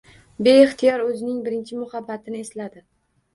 Beixtiyor o‘zining birinchi muhabbatini esladi